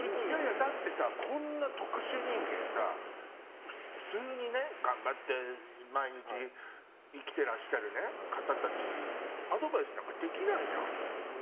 だってさ、こんな特殊人間さ普通に頑張って毎日生きてらっしゃる方たちにアドバイスなんかできないじゃん。